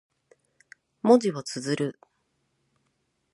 文字を綴る。